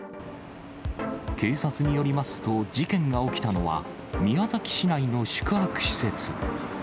警察によりますと、事件が起きたのは、宮崎市内の宿泊施設。